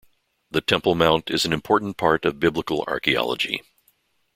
The Temple Mount is an important part of Biblical archaeology.